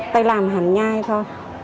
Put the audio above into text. tay làm hành nhai thôi